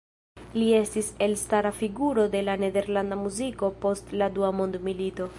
Li estis elstara figuro de la nederlanda muziko post la dua mondmilito.